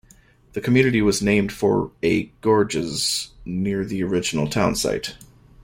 The community was named for a gorges near the original town site.